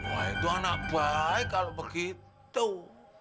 wah itu anak baik kalau begitu